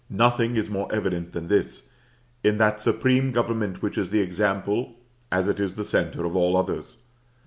Nothing is more evident than this, in that supreme government which is the example, as it is the centre, of all others.